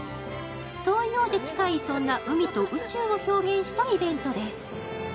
遠いようで近い、そんな海と宇宙を表現したイベントです。